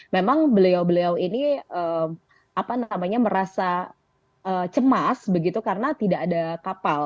memang beliau beliau ini merasa cemas begitu karena tidak ada kapal